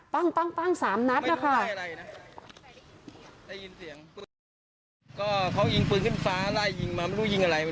ปั้งปั้งปั้ง๓ณนะคะ